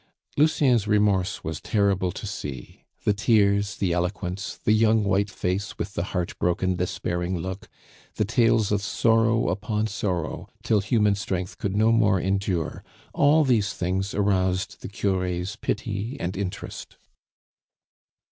Lucien's remorse was terrible to see, the tears, the eloquence, the young white face with the heartbroken, despairing look, the tales of sorrow upon sorrow till human strength could no more endure, all these things aroused the cure's pity and interest.